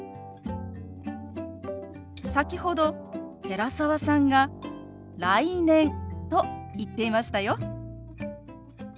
先ほど寺澤さんが「来年」と言っていましたよ。